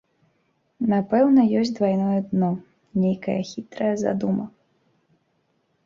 Напэўна, ёсць двайное дно, нейкая хітрая задума.